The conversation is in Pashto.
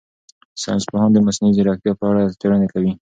ساینس پوهان د مصنوعي ځیرکتیا په اړه څېړنې کوي.